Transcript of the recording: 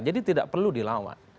jadi tidak perlu dilawat